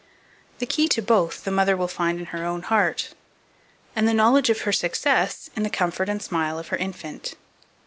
The key to both the mother will find in her own heart, and the knowledge of her success in the comfort and smile of her infant.